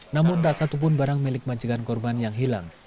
namun tak satupun barang milik majikan korban yang hilang